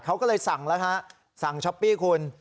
เขาก็เลยสั่งแล้วฮะสั่งช้อปปี้คุณ